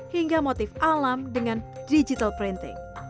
hingga motif alam dengan digital printing